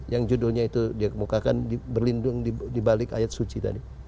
yang judulnya itu dikemukakan berlindung dibalik ayat suci tadi